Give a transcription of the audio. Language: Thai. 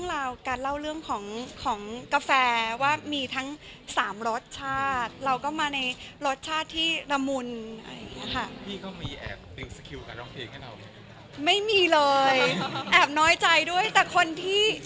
จะทำเล่าเรื่องของกาแฟทั้งสามลดชาติเราก็มาในรสชาติคราบและล้างมนต์